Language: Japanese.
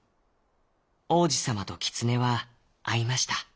王子さまとキツネはあいました。